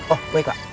oh baik pak